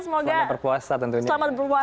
selamat berpuasa tentunya